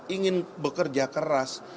ingin bekerja keras